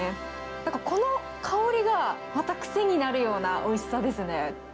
なんかこの香りが、また癖になるようなおいしさですね。